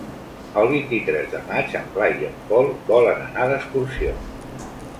El vint-i-tres de maig en Blai i en Pol volen anar d'excursió.